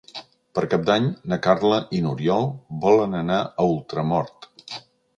Per Cap d'Any na Carla i n'Oriol volen anar a Ultramort.